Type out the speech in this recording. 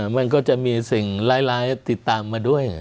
มันก็จะมีสิ่งร้ายติดตามมาด้วย